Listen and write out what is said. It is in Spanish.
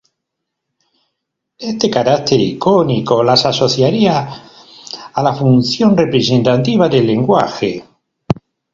Este carácter icónico las asociaría a la función representativa del lenguaje.